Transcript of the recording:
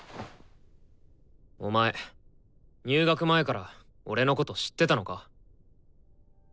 お前入学前から俺のこと知ってたのか？